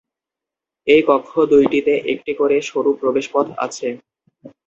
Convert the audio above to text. এই কক্ষ দুইটিতে একটি করে সরু প্রবেশ পথ আছে।